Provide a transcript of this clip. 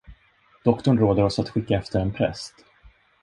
Doktorn råder oss att skicka efter en präst.